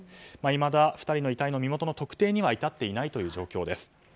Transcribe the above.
いまだ２人の遺体の身元の特定には至っていないという状況です。